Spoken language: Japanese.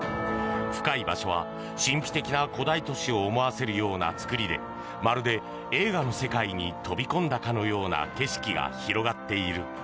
深い場所は神秘的な古代都市を思わせるような作りでまるで映画の世界に飛び込んだかのような景色が広がっている。